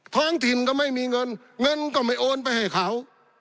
ท้องถิ่นก็ไม่มีเงินเงินก็ไม่โอนไปให้เขา